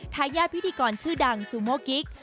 ทายาทพิธีกรชื่อดังซูโมกิ๊ก